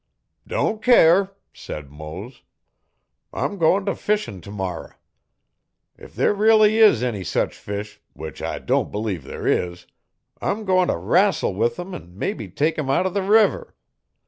'Don't care,' said Mose, 'I'm goin' t' go fishin t'morrer. If there reely is any sech fish which I don't believe there is I'm goin' t' rassle with him an' mebbe tek him out o' the river.